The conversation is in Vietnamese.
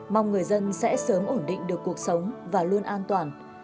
mong người dân sẽ sớm ổn định được cuộc sống và luôn an toàn